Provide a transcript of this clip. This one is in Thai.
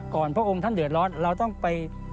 พระองค์ท่านเดือดร้อนเราต้องไป